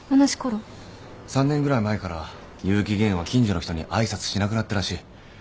３年ぐらい前から結城玄は近所の人に挨拶しなくなったらしい。